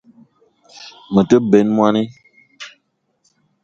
Me te benn moni